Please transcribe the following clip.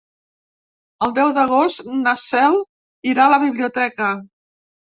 El deu d'agost na Cel irà a la biblioteca.